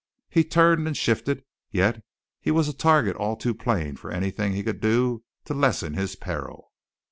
He turned and shifted, yet he was a target all too plain for anything he could do to lessen his peril.